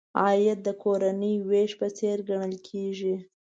عاید د کورنۍ وېش په څېر ګڼل کیږي.